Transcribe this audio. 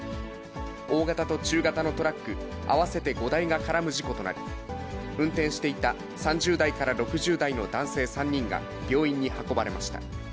大型と中型のトラック合わせて５台が絡む事故となり、運転していた３０代から６０代の男性３人が、病院に運ばれました。